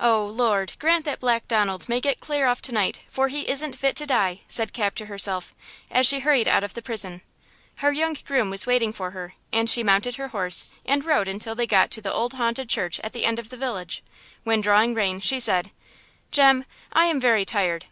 Oh, Lord grant that Black Donald may get clear off to night, for he isn't fit to die!" said Cap to herself, as she hurried out of the prison. Her young groom was waiting for her and she mounted her horse and rode until they got to the old haunted church at the end of the village, when drawing rein, she said: "Jem, I am very tired.